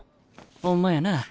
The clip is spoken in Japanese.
ほんまやな。